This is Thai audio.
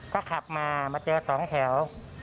ก็ขับมามาเจอสองแถว